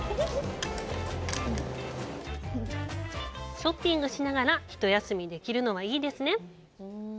ショッピングしながら一休みできるのはいいですね！